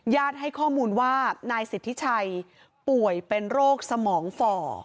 ให้ข้อมูลว่านายสิทธิชัยป่วยเป็นโรคสมองฝ่อ